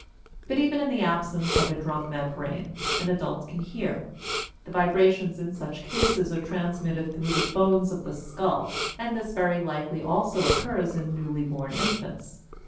But even in the absence of a drum membrane an adult can hear; the vibrations in such cases are transmitted through the bones of the skull, and this very likely also occurs in newly born infants.